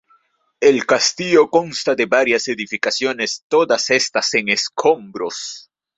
El castillo consta de varias edificaciones, todas estas en escombros.